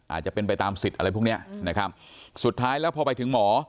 อาจจะเป็นไปตามสิทธิ์อะไรพวกเนี้ยนะครับสุดท้ายแล้วพอไปถึงหมอ